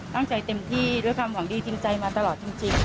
เต็มที่ด้วยความหวังดีจริงใจมาตลอดจริง